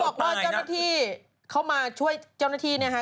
บอกว่าเจ้าหน้าที่เข้ามาช่วยเจ้าหน้าที่นะคะ